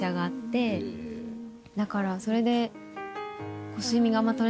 だからそれで。